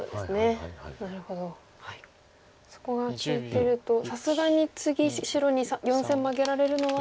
そこが利いてるとさすがに次白に４線マゲられるのは。